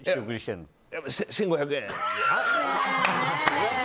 １５００円。